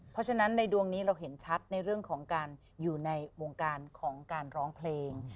เพราะฉะนั้นในดวงนี้เราเห็นชัดในเรื่องของการอยู่ในวงการของการร้องเพลง